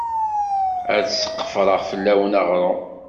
Ad sqefreɣ fell-awen aɣrum.